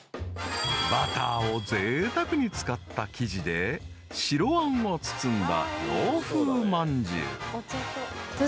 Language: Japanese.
［バターをぜいたくに使った生地で白あんを包んだ洋風まんじゅう］